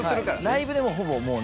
ライブでほぼもう。